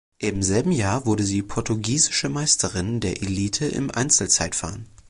Im selben Jahr wurde sie portugiesische Meisterin der Elite im Einzelzeitfahren.